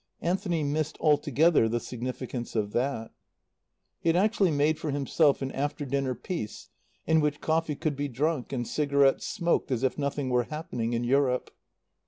Anthony missed altogether the significance of that. He had actually made for himself an after dinner peace in which coffee could be drunk and cigarettes smoked as if nothing were happening to Europe.